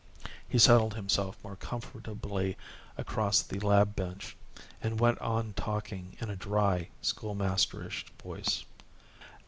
He settled himself more comfortably across the lab bench and went on talking in a dry schoolmasterish voice.